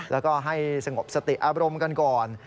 แล้วก็ให้สงบสติอารมณ์กันก่อน